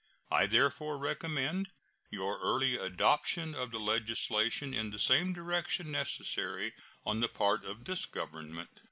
I therefore recommend your early adoption of the legislation in the same direction necessary on the part of this Government.